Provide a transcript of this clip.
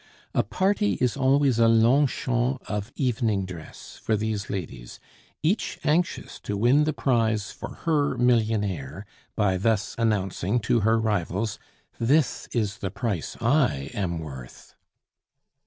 A party is always a Longchamps of evening dress for these ladies, each anxious to win the prize for her millionaire by thus announcing to her rivals: "This is the price I am worth!"